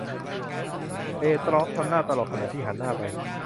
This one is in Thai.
เปตรอฟทำหน้าตลกขณะที่หันหน้าไป